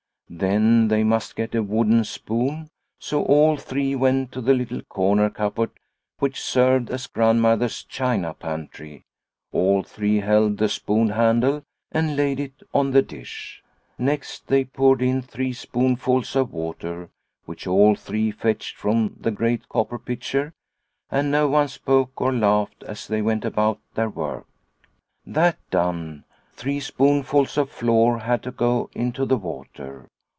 Then they must get a wooden spoon, so all three went to the little corner cupboard which served as Grandmother's china pantry, all three held the spoon handle, and laid it on the dish. Next they poured in three spoonfuls of water which all three fetched The Magic Pancake 91 from the great copper pitcher, and no one spoke or laughed as they went about their work. That done, three spoonfuls of flour had to go into the water.